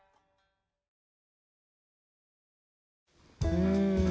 うん。